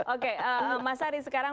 oke mas adi